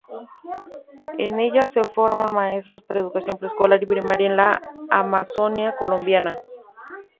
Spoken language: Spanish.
En ella se forman maestros para educación preescolar y primaria en la amazonia colombiana.